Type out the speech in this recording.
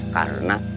karena istrinya rem